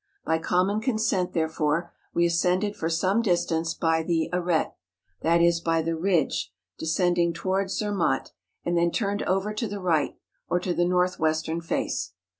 By common consent, therefore, we ascended for some distance by the arete ,—that is, by the ridge descending towards Zermatt,—and THE MATTERHORN. 101 then turned over to the right, or to the north¬ western face.